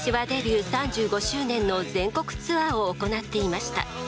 今年はデビュー３５周年の全国ツアーを行っていました。